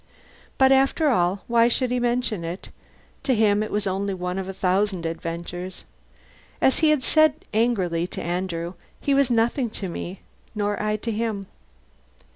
But after all, why should he mention it? To him it was only one of a thousand adventures. As he had said angrily to Andrew, he was nothing to me, nor I to him.